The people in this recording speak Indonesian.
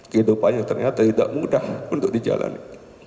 kehidupannya ternyata tidak mudah untuk dijalani